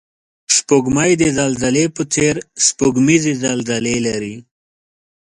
سپوږمۍ د زلزلې په څېر سپوږمیزې زلزلې لري